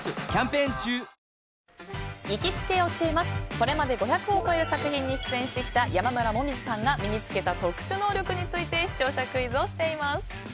これまで５００を超える作品に出演してきた山村紅葉さんが身に付けた特殊能力について視聴者クイズをしています。